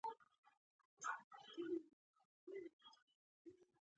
هغه د اجرائیه او قضائیه قواوو مسؤلین او د مجلس نوماندان ټاکي.